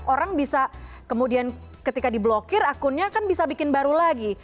orang bisa kemudian ketika diblokir akunnya kan bisa bikin baru lagi